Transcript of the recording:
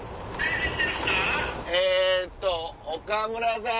えっと岡村さん。